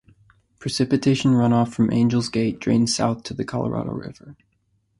Precipitation runoff from Angels Gate drains south to the Colorado River.